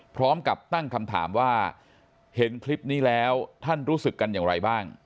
พร้อมกับตั้งคำถามว่าเห็นคลิปนี้แล้วท่านรู้สึกกันอย่างไรบ้าง